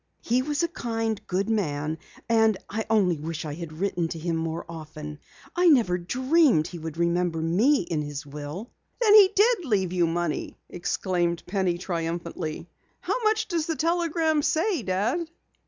He was a kind, good man and I only wish I had written to him more often. I never dreamed he would remember me in his will." "Then he did leave you money!" exclaimed Penny triumphantly. "How much does the telegram say, Dad?"